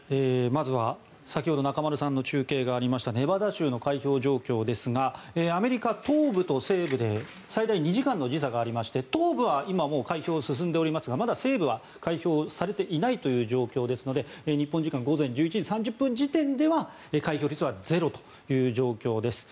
まずは先ほど中丸さんの中継がありましたネバダ州の開票状況ですがアメリカ東部と西部で最大２時間の時差がありまして東部は今もう開票が進んでいますがまだ西部は開票されていないという状況ですので日本時間午前１１時３０分時点では開票率はゼロという状況です。